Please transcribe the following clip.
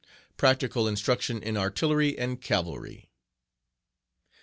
Practical Instruction in Artillery and Cavalry.